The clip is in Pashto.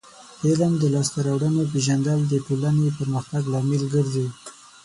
د علم د لاسته راوړنو پیژندل د ټولنې پرمختګ لامل ګرځي.